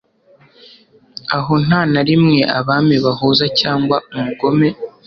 Aho nta na rimwe abami bahuza cyangwa umugome